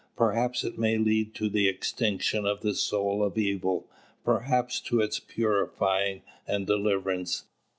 Perhaps it may lead to the extinction of the soul of evil, perhaps to its purifying and deliverance.